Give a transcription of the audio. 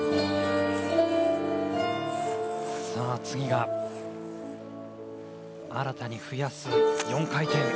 次が、新たに増やす４回転。